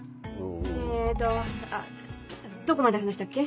えっとどこまで話したっけ？